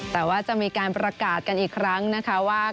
แต่ว่าจะมีการประกาศกันอีกครั้งนะคะว่า